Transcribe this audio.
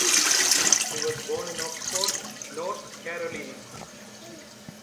He was born in Oxford, North Carolina.